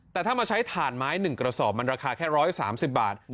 แต่ถ้ามาใช้ถ่านไม้หนึ่งกระสอบมันราคาแค่ร้อยสามสิบบาท